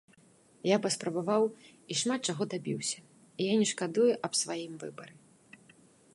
Я паспрабаваў і шмат чаго дабіўся, і я не шкадую аб сваім выбары.